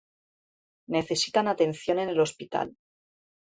necesitan atención en el hospital